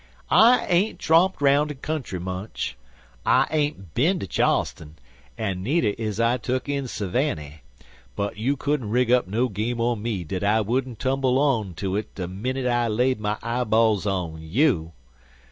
I ain't tromped roun' de country much. I ain't bin to Charlstun an' needer is I tuck in Savanny; but you couldn't rig up no game on me dat I wouldn't tumble on to it de minit I laid my eyeballs on you.